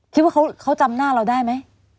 คิดว่าเขาจำหน้าเราได้ไหม